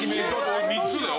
俺３つだよ。